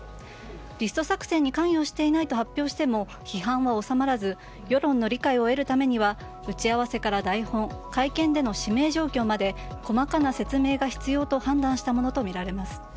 リスト作成に関与していないと発表しても、批判は収まらず世論の理解を得るためには打ち合わせから台本会見での指名状況まで細かな説明が必要と判断したものとみられます。